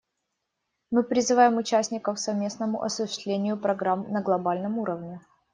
Мы призываем участников к совместному осуществлению программ на глобальном уровне.